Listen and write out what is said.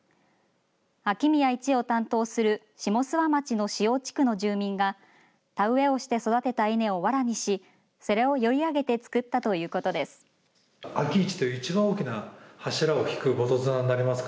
秋宮一を担当する下諏訪町の四王地区の住民が田植えをして育てた稲をわらにしそれをよいあげてつくったということです。